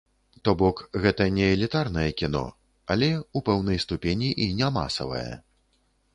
То бок, гэта не элітарнае кіно, але, у пэўнай ступені, і не масавае.